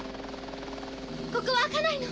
ここは開かないの！